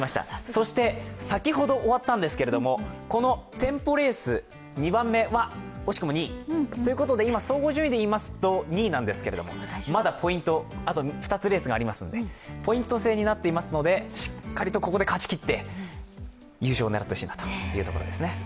そして、先ほど終わったんですけれどもこのテンポレース２番目は惜しくも２位ということで今、総合順位でいいますと２位なんですけどまだ２つレースがありますのでポイント制になっていますので、しっかりとここで勝ちきって、優勝を狙ってほしいなというところですね。